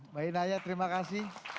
mbak inaya terima kasih